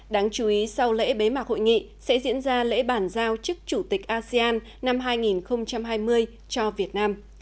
đáng chú ý sau lễ bế mạc hội nghị sẽ diễn ra lễ bản giao chức chủ tịch asean năm hai nghìn hai mươi cho việt nam